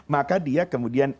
maka dia kemudian